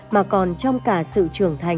mà còn trong cả sự trưởng thành